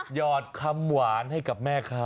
หอดคำหวานให้กับแม่ค้า